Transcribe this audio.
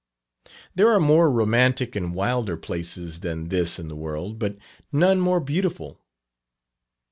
There are more romantic and wilder places than this in the world, but none more beautiful.